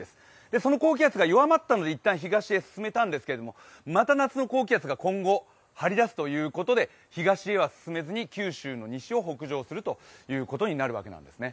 その高気圧が弱まったんでいったん東へ進めたんですけれども、また夏の高気圧が今後、張り出すということで東へは進めず九州の西を北上するということになるわけなんです。